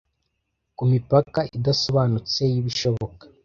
ku mipaka idasobanutse y'ibishoboka